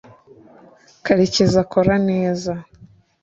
karekezi akora neza